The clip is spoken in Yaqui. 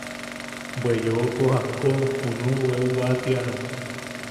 “Bwe yooko jakko junu... junuʼu eu waatiana”.